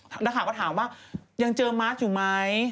ฐานการณ์ก็ถามว่ายังเจอมัสค์อยู่มั้ย